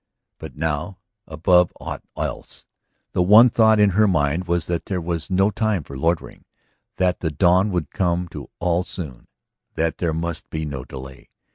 But now, above aught else, the one thought in her mind was that there was no time for loitering, that the dawn would come all too soon, that there must be no delay.